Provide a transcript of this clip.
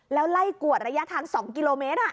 แล้วไล่กวดระยะทาง๒กิโลเมตร